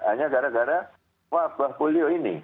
hanya gara gara wabah polio ini